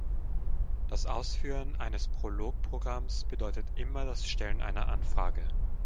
Das Ausführen eines Prolog-Programms bedeutet immer das Stellen einer Anfrage.